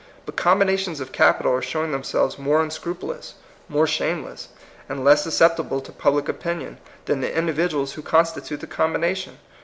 But combinations of capital are showing themselves more unscrupulous, more shameless, and less susceptible to public opinion, than the individuals who constitute the combination.